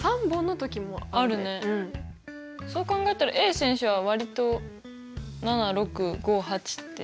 そう考えたらＡ選手は割と７６５８って。